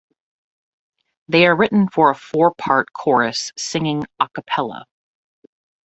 They are written for a four-part chorus singing "a cappella".